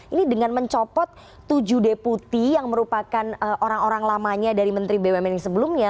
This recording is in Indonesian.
ini dengan mencopot tujuh deputi yang merupakan orang orang lamanya dari menteri bumn yang sebelumnya